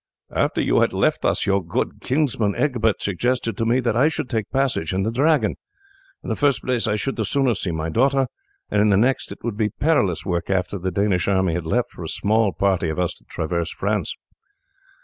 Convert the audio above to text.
"After you had left us your good kinsman Egbert suggested to me that I should take passage in the Dragon. In the first place I should the sooner see my daughter; and in the next, it would be perilous work, after the Danish army had left, for a small party of us to traverse France."